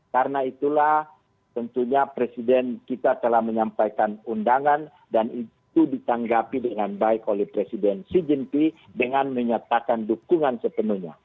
karena itulah tentunya presiden kita telah menyampaikan undangan dan itu ditanggapi dengan baik oleh presiden xi jinping dengan menyatakan dukungan sepenuhnya